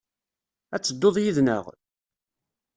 Ad tedduḍ yid-neɣ?